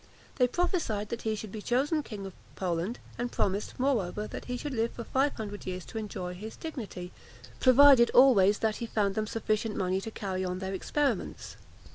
They prophesied that he should be chosen king of Poland; and promised, moreover, that he should live for five hundred years to enjoy his dignity, provided always that he found them sufficient money to carry on their experiments.